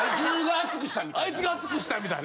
あいつが熱くしたみたいな。